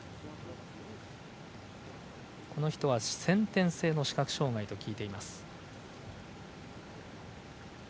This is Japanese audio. この人は先天性の視覚障がいと聞いています。